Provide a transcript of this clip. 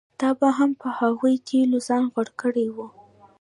تا به هم په هغو تېلو ځان غوړ کړی و.